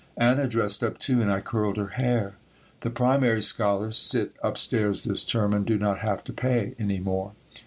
Anna dressed up, too, and I curled her hair. The Primary scholars sit upstairs this term and do not have to pay any more.